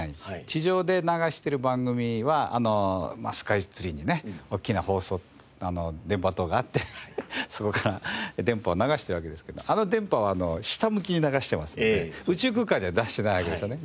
地上で流している番組はスカイツリーにねおっきな放送電波塔があってそこから電波を流しているわけですけどあの電波は下向きに流してますので宇宙空間には出してないわけですよね。